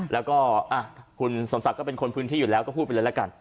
แล้วก็คุณสมศักดิ์ก็เป็นคนพื้นที่อยู่แล้วก็พูดไปเลยละกัน